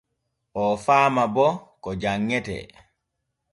Oo faama bo ko janŋintee.